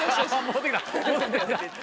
戻ってきた。